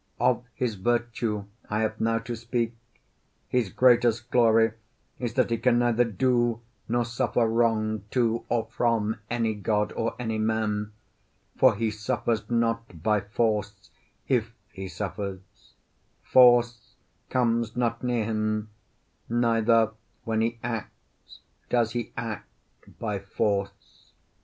Of his virtue I have now to speak: his greatest glory is that he can neither do nor suffer wrong to or from any god or any man; for he suffers not by force if he suffers; force comes not near him, neither when he acts does he act by force.